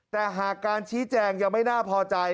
แต่หากการชี้แจงยังไม่น่าพอใจ